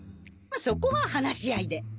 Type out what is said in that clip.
まっそこは話し合いで！